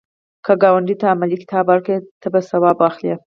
که ګاونډي ته علمي کتاب ورکړې، ته به ثواب واخلی